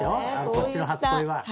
そっちの初恋は。